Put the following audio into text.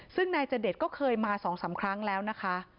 ซึ่งนายจเดชก็เคยมา๒๓ครั้งแล้วนะคะ